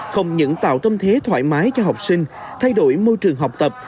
không những tạo tâm thế thoải mái cho học sinh thay đổi môi trường học tập